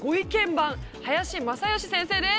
番林公義先生です。